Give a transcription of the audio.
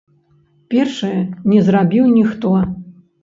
Першае не зрабіў ніхто.